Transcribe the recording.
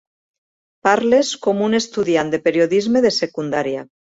Parles com un estudiant de periodisme de secundària.